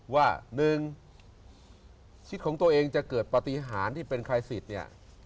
ว่า๑ชีวิตของตัวเองจะเกิดปฏิหารที่เป็นใครสิทธิ์เนี่ย